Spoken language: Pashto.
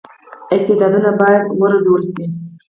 استعدادونه باید وروزل شي.